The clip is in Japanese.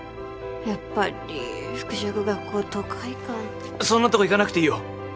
やっぱり服飾学校とか行かんとそんなとこ行かなくていいよ